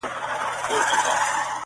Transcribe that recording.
او پای يې خلاص پاتې کيږي تل,